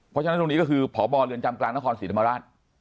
เพราะฉะนั้นตรงนี้ก็คือพบเรือนจำกลางนครศรีธรรมราช